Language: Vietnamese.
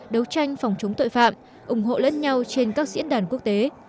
đấu tranh phòng chống tội phạm ủng hộ lẫn nhau trên các diễn đàn quốc tế